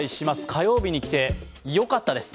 火曜日に来て、よかったです。